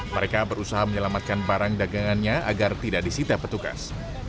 mereka berusaha menyelamatkan barang dagangannya agar tidak disita petugas